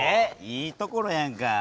いいところやんか。